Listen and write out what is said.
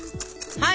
はい。